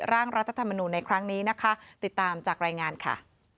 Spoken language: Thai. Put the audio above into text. ร่างรัฐธรรมนูลในครั้งนี้นะคะติดตามจากรายงานค่ะ